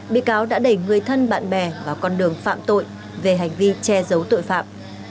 bị cáo đã đẩy người thân bạn bè vào con đường phạm tội về hành vi che giấu tội phạm